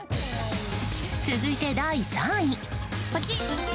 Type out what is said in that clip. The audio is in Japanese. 続いて、第３位。